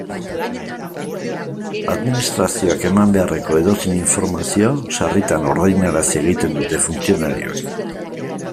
Administrazioak eman beharreko edozein informazio sarritan ordainarazi egiten dute funtzionarioek.